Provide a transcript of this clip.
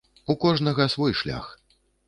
У кожнага свой шлях.